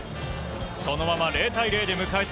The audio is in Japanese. そのまま０対０で迎えた